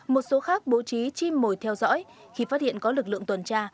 một số khác bố trí chim mồi theo dõi khi phát hiện có lực lượng tuần tra